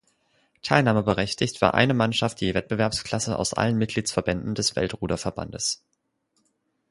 Teilnahmeberechtigt war eine Mannschaft je Wettbewerbsklasse aus allen Mitgliedsverbänden des Weltruderverbandes.